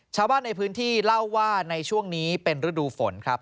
ชาวบ้านในพื้นที่เล่าว่าในช่วงนี้เป็นฤดูฝนครับ